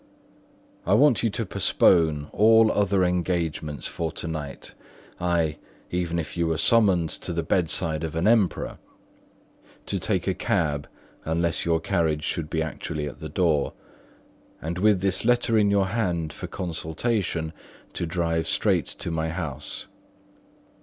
"I want you to postpone all other engagements for to night—ay, even if you were summoned to the bedside of an emperor; to take a cab, unless your carriage should be actually at the door; and with this letter in your hand for consultation, to drive straight to my house.